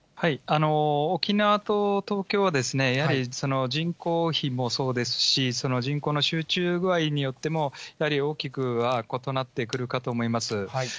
沖縄と東京はやはり、人口比もそうですし、人口の集中具合によっても、大きく異なってくるかと思います。